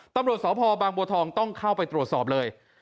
ตำรวจสพบางบัวทองต้องเข้าไปตรวจสอบเลย